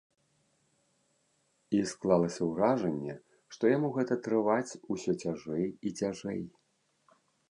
І, склалася ўражанне, што яму гэта трываць усё цяжэй і цяжэй.